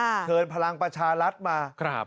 เชิญพลังประชารัฐมา